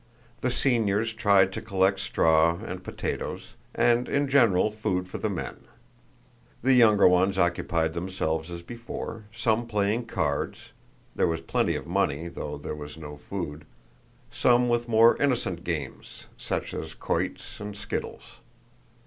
The seniors tried to collect straw and potatoes and, in general, food for the men. The younger ones occupied themselves as before, some playing cards (there was plenty of money, though there was no food), some with more innocent games, such as quoits and skittles.